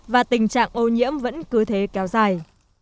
và tình trạng ô nhiễm vẫn cứ thế kéo dài